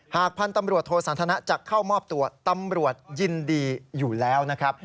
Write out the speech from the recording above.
พันธุ์ตำรวจโทสันทนะจะเข้ามอบตัวตำรวจยินดีอยู่แล้วนะครับ